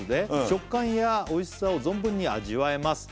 「食感やおいしさを存分に味わえます」